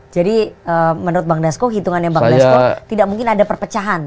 jadi menurut bang dasko hitungannya bang dasko tidak mungkin ada perpecahan